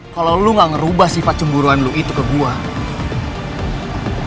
kalo lo gak ngerubah sifat cemburuan lo itu ke gue